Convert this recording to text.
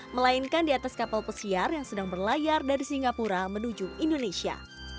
melainkan di atas kapal pesiar yang sedang berlayar dari singapura menuju indonesia